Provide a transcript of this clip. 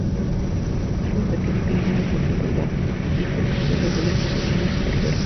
Árbol pequeño que llama la atención por la bifurcación regular de sus ramas, siempreverde.